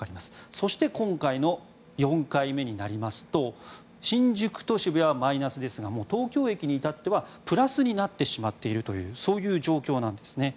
そして今回の４回目になりますと新宿と渋谷はマイナスですがもう東京駅に至ってはプラスになってしまっているそういう状況なんですね。